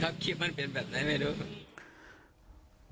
ตกใจบ้างมันดูยังโง่งมอยู่ครับ